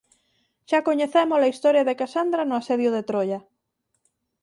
Xa coñecémo-la historia de Casandra no asedio de Troia.